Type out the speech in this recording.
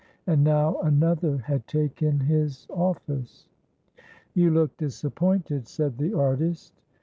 And now another had taken his office. "You look disappointed," said the artist.